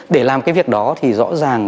để làm cái việc đó thì rõ ràng